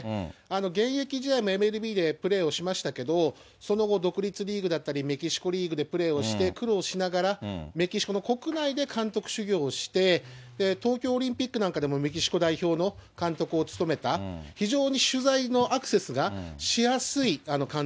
現役時代のＭＬＢでプレーをしましたけど、その後、独立リーグだったり、メキシコリーグでプレーして、苦労しながらメキシコの国内で監督修業をして、東京オリンピックなんかでもメキシコ代表の監督を務めた、私何すればいいんだろう？